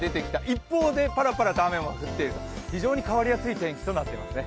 一方でパラパラと雨も降っているという非常に変わりやすい天気となっていますね。